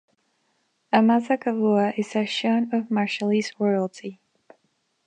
Amata Kabua is a scion of Marshallese royalty.